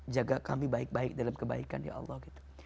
jaga kami baik baik dalam kebaikan ya allah gitu